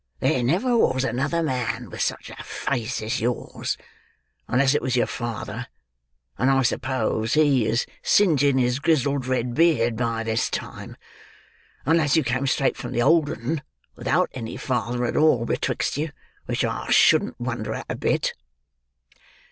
"There never was another man with such a face as yours, unless it was your father, and I suppose he is singeing his grizzled red beard by this time, unless you came straight from the old 'un without any father at all betwixt you; which I shouldn't wonder at, a bit."